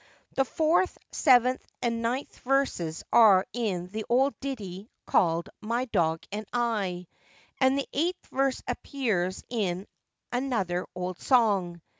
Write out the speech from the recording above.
The fourth, seventh, and ninth verses are in the old ditty called My Dog and I: and the eighth verse appears in another old song.